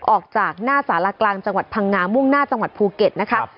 ออกจากหน้าสารกลางจังหวัดพังงามุ่งหน้าจังหวัดภูเก็ตนะคะ